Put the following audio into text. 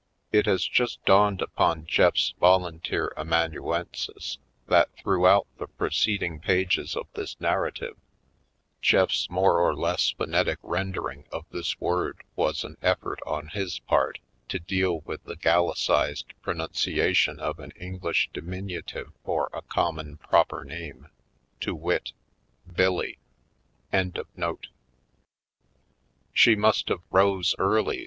— It has just dawned upon Jeff's volunteer amanu ensis that throughout the preceding pages of this narrative, Jeff's more or less phonetic rendering of this word was an effort on his part to deal with the Gallicized pronuncia tion of an English diminutive for a common proper name, to wit: Billy.